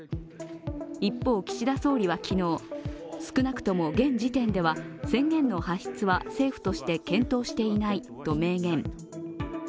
一方、岸田総理は昨日、少なくとも現時点では宣言の発出は政府として検討していないと明言。